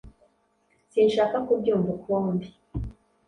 Sinshaka kubyumva ukundi.